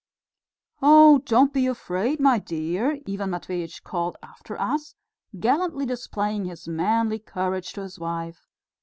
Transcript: "Oh, don't be afraid, my dear!" Ivan Matveitch called after us, gallantly displaying his manly courage to his wife.